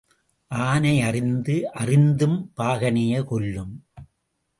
ஆனை அறிந்து அறிந்தும் பாகனையே கொல்லும்.